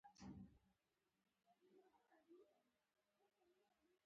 هره تیږه د کور د جوړېدو برخه ده.